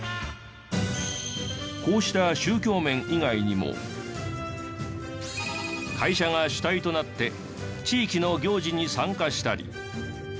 こうした会社が主体となって地域の行事に参加したり。